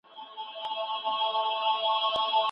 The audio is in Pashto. د ابدالیانو تاريخ بايد په ښوونځيو کې تدریس شي.